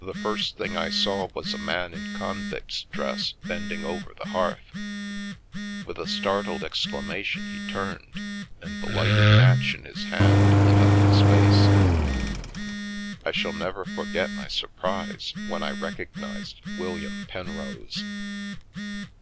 The first thing I saw was a man in convict's dress bending over the hearth. With a startled exclamation he turned, and the lighted match in his hand lit up his face. I shall never forget my surprise when I recognised William Penrose.